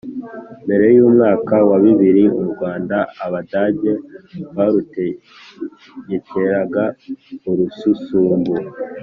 Mbere y'umwaka wa bibiri, u Rwanda Abadage barutegekeraga urusumbu